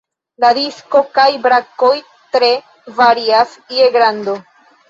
La disko kaj brakoj tre varias je grando.